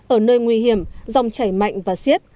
ở nơi nguy hiểm dòng chảy mạnh và xiết